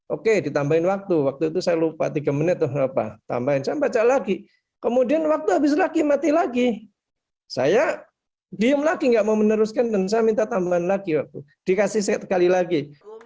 oke ditambahin waktu waktu itu saya lupa tiga menit tuh apa tambahin saya baca lagi kemudian waktu habis lagi mati lagi saya diem lagi nggak mau meneruskan dan saya minta tambahan lagi waktu dikasih saya sekali lagi